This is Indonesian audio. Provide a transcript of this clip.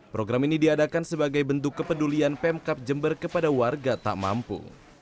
program ini diadakan sebagai bentuk kepedulian pemkap jember kepada warga tak mampu